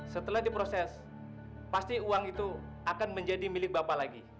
setelah diproses pasti uang itu akan menjadi milik bapak lagi